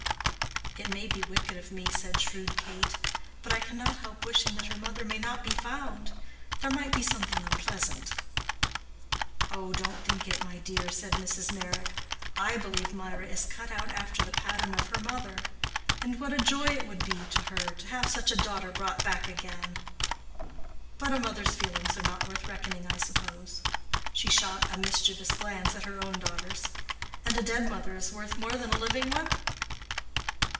"It may be wicked of me," said shrewd Kate, "but I cannot help wishing that her mother may not be found. There might be something unpleasant." "I don't think it, my dear," said Mrs. Meyrick. "I believe Mirah is cut out after the pattern of her mother. And what a joy it would be to her to have such a daughter brought back again! But a mother's feelings are not worth reckoning, I suppose" (she shot a mischievous glance at her own daughters), "and a dead mother is worth more than a living one?"